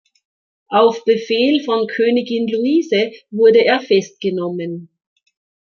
Auf Befehl von Königin Luise wurde er festgenommen.